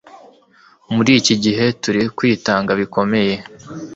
muri iki gihe turi kwitanga bikomeye :